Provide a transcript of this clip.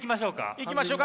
いきましょうか。